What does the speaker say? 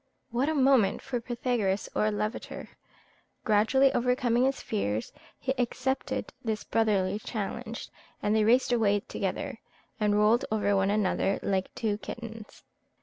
What a moment for Pythagoras or Lavater! Gradually overcoming his fears, he accepted this brotherly challenge, and they raced away together, and rolled over one another like two kittens.